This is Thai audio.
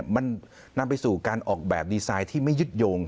มันนำไปสู่การออกแบบดีไซน์ที่ไม่ยึดโยง